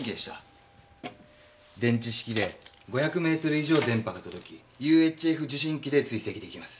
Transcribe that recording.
電池式で５００メートル以上電波が届きＵＨＦ受信機で追跡できます。